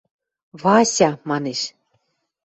– Вася... – манеш.